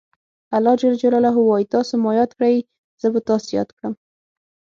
الله ج وایي تاسو ما یاد کړئ زه به تاسې یاد کړم.